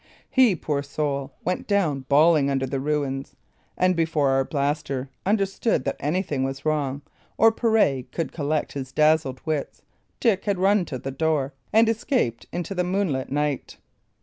He, poor soul, went down bawling under the ruins; and before Arblaster understood that anything was wrong, or Pirret could collect his dazzled wits, Dick had run to the door and escaped into the moonlit night.